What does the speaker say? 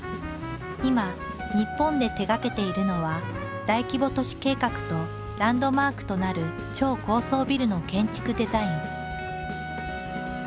今日本で手がけているのは大規模都市計画とランドマークとなる超高層ビルの建築デザイン。